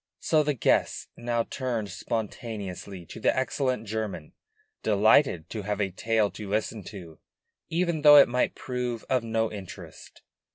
So the guests now turned spontaneously to the excellent German, delighted to have a tale to listen to, even though it might prove of no interest.